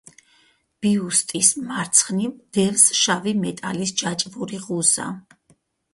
ბიუსტის მარცხნივ დევს შავი მეტალის ჯაჭვიანი ღუზა.